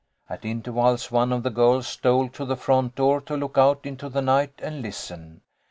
At intervals one of the girls stole to the front door to look out into the night and listen.